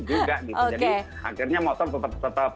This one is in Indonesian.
jadi akhirnya motor tetap